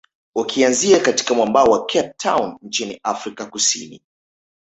Ukianzia katika mwambao wa Cape Town nchini Afrika kusini